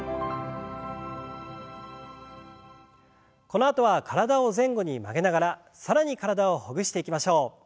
このあとは体を前後に曲げながら更に体をほぐしていきましょう。